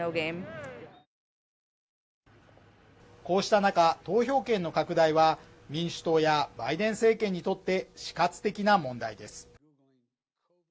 こうした中投票権の拡大は民主党やバイデン政権にとって死活的な問題です